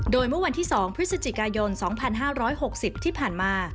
โดยเมื่อวันที่๒พฤศจิกายน๒๕๖๐ที่ผ่านมา